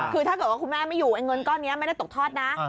คือถ้าเกิดว่าคุณแม่ไม่อยู่ไอ้เงินก้อนนี้ไม่ได้ตกทอดนะ